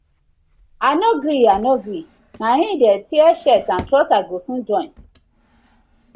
I no gree, I no gree, na im dey tear shirt and trouser go soon join.